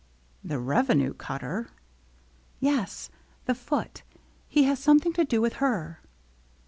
"The revenue cutter?" "Yes, the Foote. He has something to do with her."